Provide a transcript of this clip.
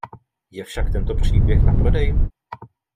Je však tento příběh na prodej?